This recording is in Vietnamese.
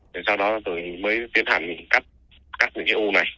rồi sau đó tụi mình mới tiến hành cắt cắt những cái u này